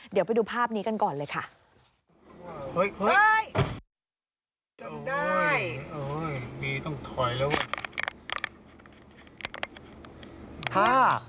เดี๋ยวไปดูภาพนี้กันก่อนเลยค่ะ